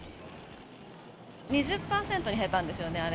２０％に減ったんですよね、あれ。